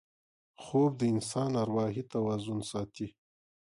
خوب د انسان اروايي توازن ساتي